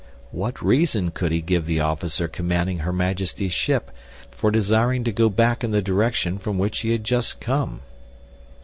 What reason could he give the officer commanding her majesty's ship for desiring to go back in the direction from which he had just come!